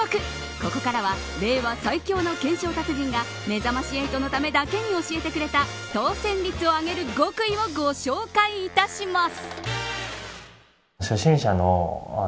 ここからは令和最強の懸賞達人がめざまし８のためだけに教えてくれた当選率を上げる極意をご紹介いたします。